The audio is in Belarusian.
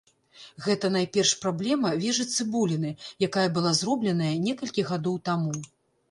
Гэта найперш праблема вежы-цыбуліны, якая была зробленая некалькі гадоў таму.